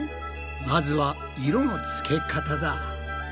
まずは色のつけ方だ。